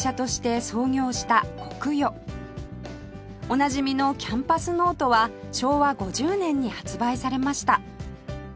おなじみのキャンパスノートは昭和５０年に発売されました